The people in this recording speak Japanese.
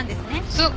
そう。